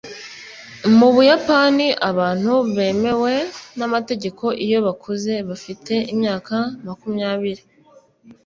mu buyapani, abantu bemewe n'amategeko iyo bakuze bafite imyaka makumyabiri